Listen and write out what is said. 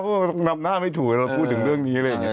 ก็นำหน้าไม่ถูกแล้วพูดถึงเรื่องนี้เลย